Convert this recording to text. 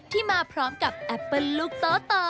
มาพร้อมกับแอปเปิ้ลลูกโต